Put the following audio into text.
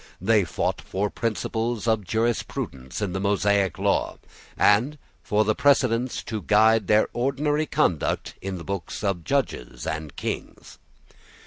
They sought for principles of jurisprudence in the Mosaic law, and for precedents to guide their ordinary conduct in the books of Judges and Kings.